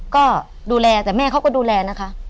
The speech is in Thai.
ก็ดูแลแต่แม่เขาก็ดูแลนะคะ